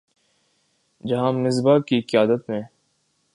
جہاں مصباح کی قیادت میں